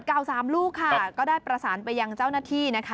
ลูกระเบิดเก่า๓ลูกค่ะก็ได้ประสาณไปยังเจ้าหน้าที่นะคะ